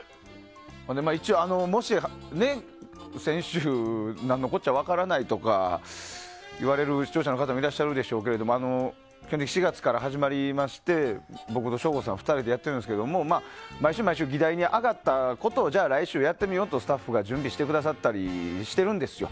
もし、先週、何のこっちゃ分からないとか言われる視聴者の方もいらっしゃるでしょうけど基本的に４月から始まりまして僕と省吾さん２人でやっていますけれども毎週毎週、議題に上がったことをじゃあ来週やってみようとスタッフが準備してくださったりしてるんですよ。